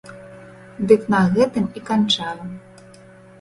Дык на гэтым і канчаю.